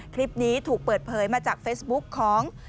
คลิปนี้ถูกเปิดเผยมาจากเฟซบุ๊กของ